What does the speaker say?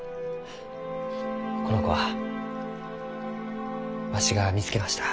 この子はわしが見つけました。